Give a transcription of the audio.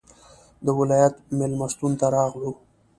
د ولایت مېلمستون ته راغلو.